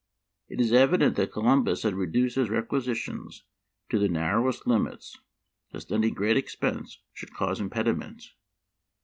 It is evident that Co lumbus had reduced his requisitions to the nar rowest limits, lest any great expense should cause impediment.